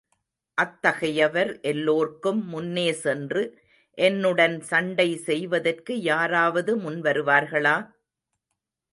அத்தகையவர் எல்லோர்க்கும் முன்னே சென்று, என்னுடன் சண்டை செய்வதற்கு யாராவது முன் வருவார்களா?